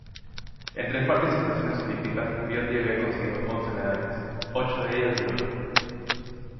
En tres participaciones olímpicas Biondi había conseguido once medallas, ocho de ellas de oro.